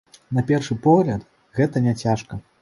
На першы погляд, гэта няцяжка.